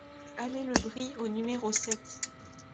Allée le Brix au numéro sept